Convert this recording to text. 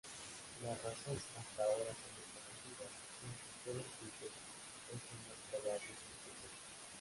Las razones, hasta ahora, son desconocidas, aunque Helen Cutter es una probable sospechosa.